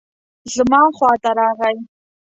زموږ خواته راغی.